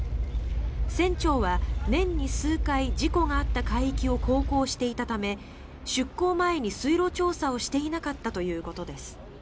船長は年に数回事故があった海域を航行していたため出航前に水路調査をしていなかったということです。